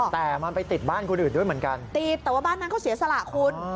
แต่มันไปติดบ้านคนอื่นด้วยเหมือนกันติดแต่ว่าบ้านนั้นเขาเสียสละคุณ